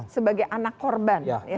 sebagai anak korban ya